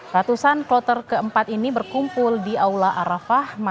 ratusan kloter keempat ini berkumpul di aula arafah